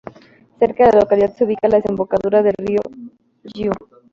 Cerca de la localidad se ubica la desembocadura del río Jiu.